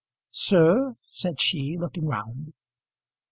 "Sir?" said she, looking round.